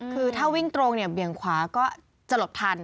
คือถ้าวิ่งตรงเนี่ยเบี่ยงขวาก็จะหลบทัน